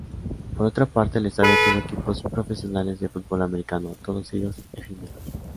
Por otra parte, el estadio tuvo equipos profesionales de fútbol americano, todos ellos efímeros.